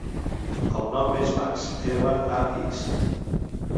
El nom és Max: ema, a, ics.